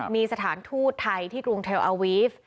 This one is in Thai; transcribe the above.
มีสถานทูตไทยที่กรุงเทลอาวีฟ